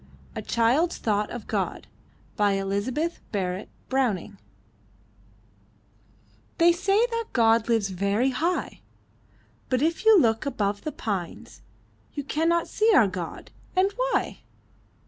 A CHILD'S THOUGHT OF GOD Elizabeth Barrett Browning They say that God lives very high! But if you look above the pines You cannot see our God. And why?